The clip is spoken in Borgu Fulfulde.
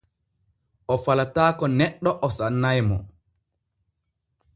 O falataako neɗɗe o sannay mo.